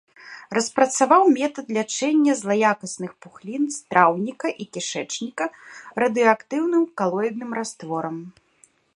Распрацаваў метад лячэння злаякасных пухлін страўніка і кішэчніка радыеактыўным калоідным растворам.